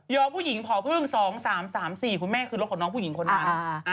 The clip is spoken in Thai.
ผู้หญิงผอพึ่ง๒๓๓๔คุณแม่คือรถของน้องผู้หญิงคนนั้น